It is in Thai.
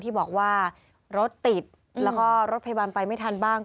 ที่บอกว่ารถติดแล้วก็รถพยาบาลไปไม่ทันบ้าง